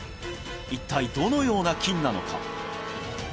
一体どのような菌なのか？